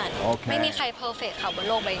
มันเป็นโลกแบบนี้ไม่ได้มีใครเพอรเฟตค่ะ